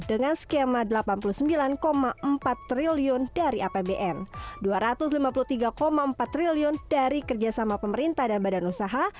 dengan skema rp delapan puluh sembilan empat triliun dari apbn rp dua ratus lima puluh tiga empat triliun dari kerjasama pemerintah dan badan usaha